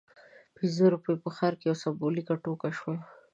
پنځه روپۍ په ښار کې یوه سمبولیکه ټوکه شوه.